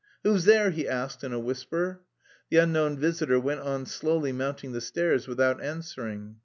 "Who's there?" he asked in a whisper. The unknown visitor went on slowly mounting the stairs without answering.